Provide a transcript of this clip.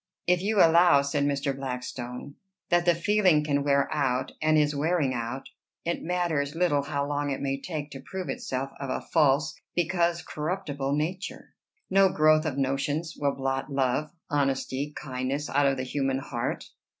"If you allow," said Mr. Blackstone, "that the feeling can wear out, and is wearing out, it matters little how long it may take to prove itself of a false, because corruptible nature. No growth of notions will blot love, honesty, kindness, out of the human heart."